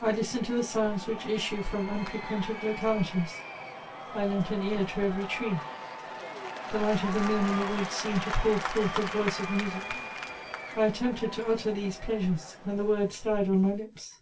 I listened to the sounds which issue from unfrequented locahties ; I lent an ear to ev^ry tree. The light of the moon in the woods seemed to pour foith a Toice of music ; I attempted to utter these pleasures, and the words died on my lips.